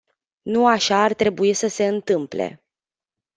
Nu așa ar trebui să se întâmple.